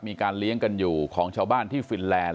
มีการเลี้ยงกันอยู่ของชาวบ้านที่ฟินแลนด